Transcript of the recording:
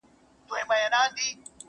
یاره عشق هلته استاد مینه مضمون دی.